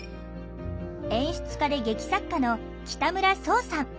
演出家で劇作家の北村想さん。